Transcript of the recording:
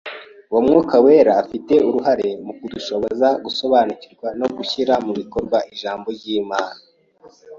Umwuka Wera afite uruhare mu kudushoboza gusobanukirwa no gushyira mu bikorwa Ijambo ry'Imana;